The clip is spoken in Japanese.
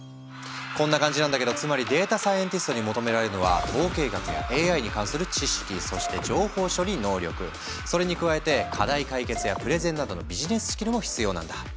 こんな感じなんだけどつまりデータサイエンティストに求められるのはなどのビジネススキルも必要なんだ。